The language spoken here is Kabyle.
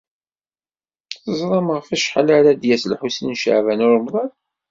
Teẓram ɣef wacḥal ara d-yas Lḥusin n Caɛban u Ṛemḍan?